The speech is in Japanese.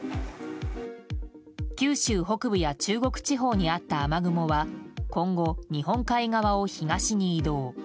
九州北部や中国地方にあった雨雲は今後日本海側を東に移動。